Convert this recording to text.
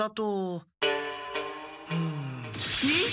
うん。えっ？